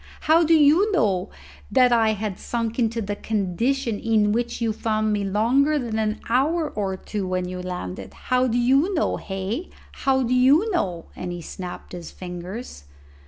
How do you know that I had sunk into the condition in which you found me longer than an hour or two when you landed? How do you know, hey? How do you know?" and he snapped his fingers.